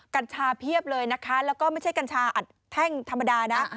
กัญชาเพียบเลยนะคะแล้วก็ไม่ใช่กัญชาอัดแท่งธรรมดานะ